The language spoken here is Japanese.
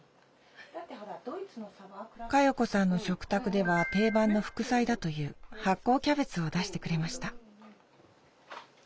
加代子さんの食卓では定番の副菜だという発酵キャベツを出してくれました